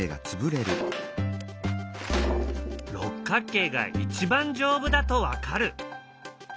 六角形が一番丈夫だと分かる。